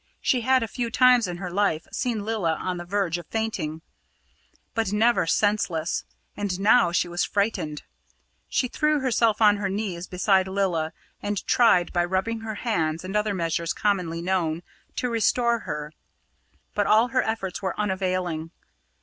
She had a few times in her life seen Lilla on the verge of fainting, but never senseless; and now she was frightened. She threw herself on her knees beside Lilla, and tried, by rubbing her hands and other measures commonly known, to restore her. But all her efforts were unavailing.